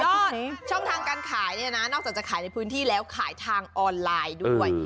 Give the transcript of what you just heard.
ก็ช่องทางการขายเนี่ยนะนอกจากจะขายในพื้นที่แล้วขายทางออนไลน์ด้วย